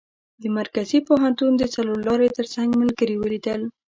د مرکزي پوهنتون د څلور لارې تر څنګ ملګري ولیدل.